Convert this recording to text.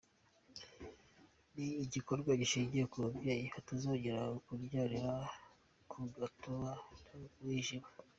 Ni igikorwa dushima kuba ababyeyi batazongera kubyarira ku gatadowa cyangwa se mu mwijima.